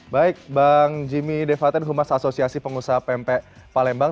baik bang jimmy devaten humas asosiasi pengusaha pmp palembang